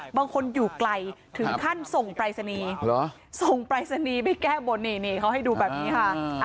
บางคนอยู่ไกลถึงขั้นส่งปรายศนีย์ส่งปรายศนีย์ไปแก้บนนี่เขาให้ดูแบบนี้ค่ะ